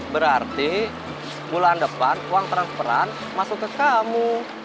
berarti bulan depan uang transferan masuk ke kamu